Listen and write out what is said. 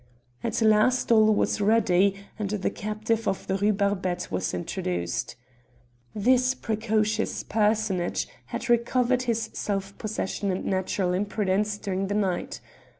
At last all was ready, and the captive of the Rue Barbette was introduced. This precocious personage had recovered his self possession and natural impudence during the night.